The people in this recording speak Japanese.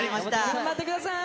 頑張ってください。